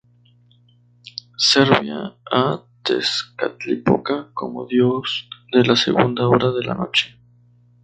Servía a Tezcatlipoca como dios de la Segunda Hora de la Noche.